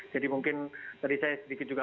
jadi mungkin tadi saya sedikit juga